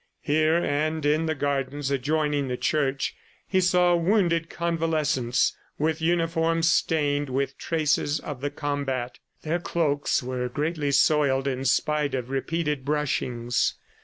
Here and in the gardens adjoining the church, he saw wounded convalescents with uniforms stained with traces of the combat. Their cloaks were greatly soiled in spite of repeated brushings.